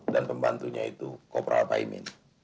dan pembantunya itu kopral paimin